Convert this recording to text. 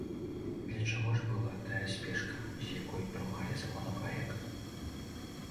Для чаго ж была тая спешка, з якой прымалі законапраект?